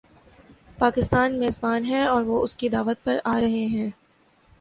پاکستان میزبان ہے اور وہ اس کی دعوت پر آ رہے ہیں۔